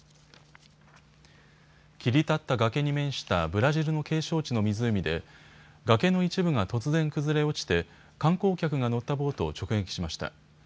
切り立った崖に面したブラジルの景勝地の湖で崖の一部が突然崩れ落ちて観光客が乗ったボートを直撃しました。